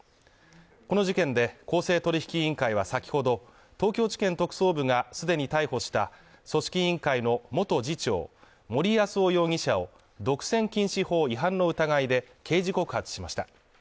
この事件で、公正取引委員会は先ほど、東京地検特捜部が既に逮捕した組織委員会の元次長、森泰夫容疑者を、独占禁止法違反の疑いで刑事告発しました。